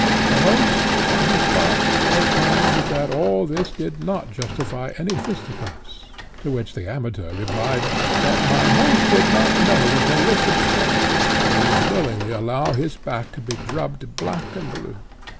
The host on his part opined, that all this did not justify any fisty cuffs; to which the amateur replied, that mine host did not know the malicious fellow, or he would willingly allow his back to be drubbed black and blue.